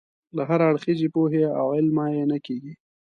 له هراړخیزې پوهې او علمه یې نه کېږي.